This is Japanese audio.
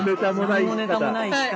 何のネタもない生き方。